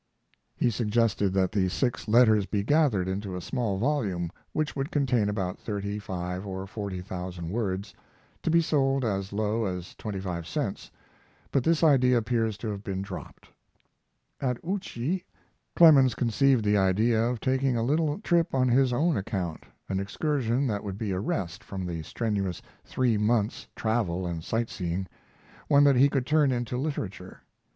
He suggested that the six letters be gathered into a small volume which would contain about thirty five or forty thousand words, to be sold as low as twenty five cents, but this idea appears to have been dropped. At Ouchy Clemens conceived the idea of taking a little trip on his own account, an excursion that would be a rest after the strenuous three months' travel and sightseeing one that he could turn into literature.